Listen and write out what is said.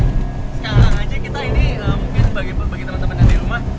sekarang aja kita ini mungkin bagi teman teman yang di rumah